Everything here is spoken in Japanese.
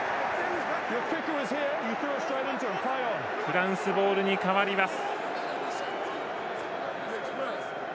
フランスボールに変わります。